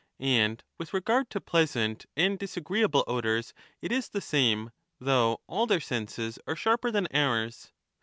And with regard to pleasant and dis 5 agreeable odours it is the same, though all their senses are sharper than ours.